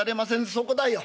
「そこだよ。